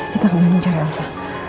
kita ke bandung cari elsa